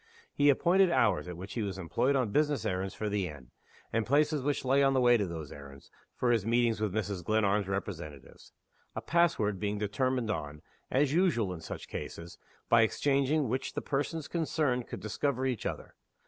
He appointed hours at which he was employed on business errands for the inn, and places which lay on the way to those errands, for his meetings with Mrs. Glenarm's representatives: a pass word being determined on, as usual in such cases, by exchanging which the persons concerned could discover each other.